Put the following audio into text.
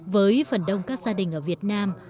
với phần đông các gia đình ở việt nam